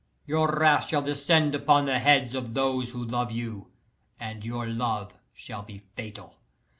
Your wrath shall descend upon the heads of those who love you, and your love shall be fatal.